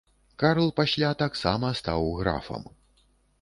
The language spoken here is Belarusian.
Карл пасля таксама стаў графам.